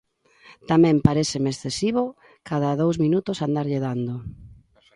Tamén paréceme excesivo cada dous minutos andarlle dando.